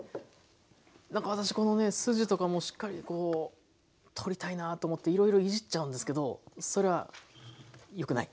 なんか私この筋とかもしっかりこう取りたいなと思っていろいろいじっちゃうんですけどそれはよくない？